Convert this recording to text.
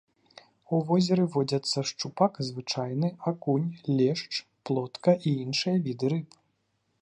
У возеры водзяцца шчупак звычайны, акунь, лешч, плотка і іншыя віды рыб.